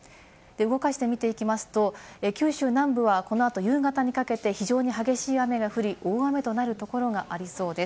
動かして見ていきますと、九州南部はこのあと夕方にかけて非常に激しい雨が降り、大雨となるところがありそうです。